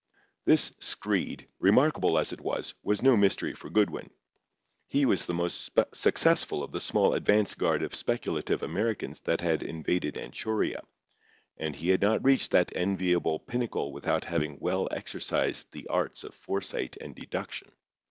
This screed, remarkable as it was, had no mystery for Goodwin. He was the most successful of the small advance guard of speculative Americans that had invaded Anchuria, and he had not reached that enviable pinnacle without having well exercised the arts of foresight and deduction.